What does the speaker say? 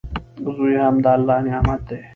زوی هم د الله نعمت دئ.